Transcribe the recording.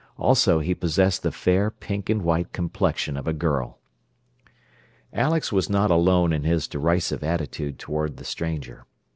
Also he possessed the fair pink and white complexion of a girl. Alex was not alone in his derisive attitude toward the stranger.